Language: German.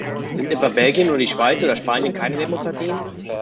Sind etwa Belgien oder die Schweiz oder Spanien keine Demokratien?